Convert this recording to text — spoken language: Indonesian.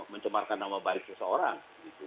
pencemarkan nama baik seseorang gitu